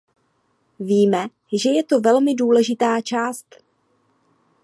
Víme, že je to velmi důležitá část.